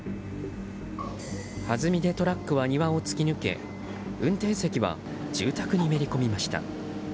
弾みでトラックは庭を突き抜け運転席は住宅にめり込みました。